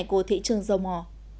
của thị trường dầu mò